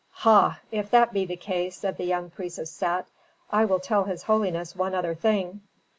"Ha! if that be the case," said the young priest of Set, "I will tell his holiness one other thing."